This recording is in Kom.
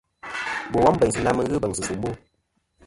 Bò wom bèynsɨ na mɨ n-ghɨ bèŋsɨ̀ nsòmbo.